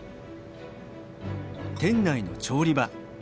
店内の調理場。